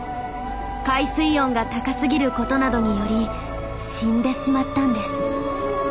海水温が高すぎることなどにより死んでしまったんです。